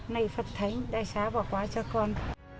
này phật thánh đai xá vào quả cho con